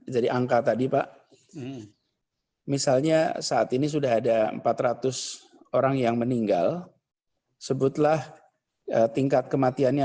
jadi angka tadi pak misalnya saat ini sudah ada empat ratus orang yang meninggal sebutlah tingkat kematiannya